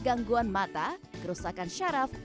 gangguan mata kerusakan syaraf